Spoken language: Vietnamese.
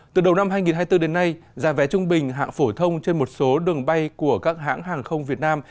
từ đầu năm hai nghìn hai mươi bốn đến nay giá vé trung bình hạng phổ thông trên một số đường bay của các hãng hàng không việt nam